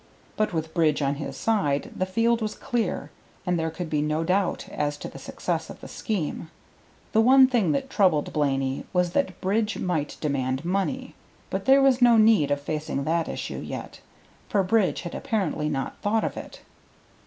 But with Bridge on his side the field was clear and there could be no doubt as to the success of the scheme. The one thing that troubled Blaney was that Bridge might demand money; but there was no need of facing that issue yet, for Bridge had apparently not thought of it.